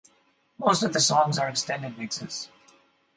Most of the songs are extended mixes.